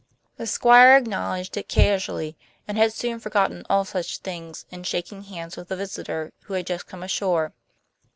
The Squire acknowledged it casually and had soon forgotten all such things in shaking hands with the visitor who had just come ashore.